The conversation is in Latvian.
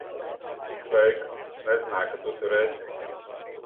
Sveika. Es nezināju, ka tu tur esi.